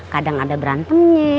kadang ada berantemnya